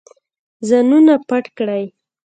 ځانونه پټ کړئ.